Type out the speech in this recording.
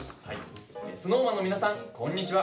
「ＳｎｏｗＭａｎの皆さんこんにちは」。